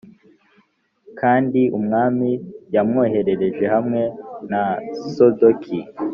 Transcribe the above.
kandi umwami yamwohereje hamwe na sadoki